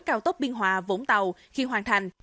cao tốc biên hòa vũng tàu khi hoàn thành